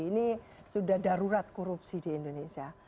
ini sudah darurat korupsi di indonesia